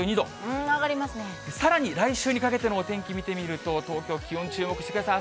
さらに来週にかけてのお天気見てみると、東京、気温注目してください。